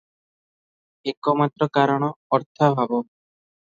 ଏକମାତ୍ର କାରଣ - ଅର୍ଥାଭାବ ।